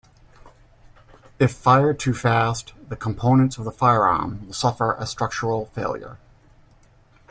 If fired too fast, the components of the firearm will suffer a structural failure.